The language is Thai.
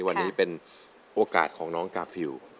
วันนี้เป็นโอกาสของน้องกาฟิล